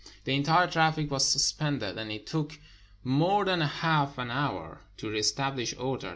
The entire trafiic was suspended, and it took more than half an hour to reestabhsh order.